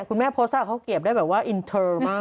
คุณแม่โพสต์เขาเก็บได้แบบว่าอินเทอร์มาก